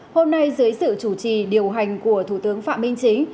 hôm nay dưới sự chủ trì điều hành của thủ tướng phạm minh chính